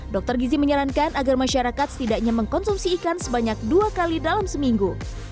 dr gizi menyarankan agar masyarakat setidaknya mengkonsumsi ikan sebanyak dua kali dalam seminggu